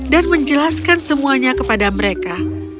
dan menjelaskan semuanya kepada mereka